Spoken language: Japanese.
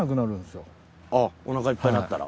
あぁお腹いっぱいになったら。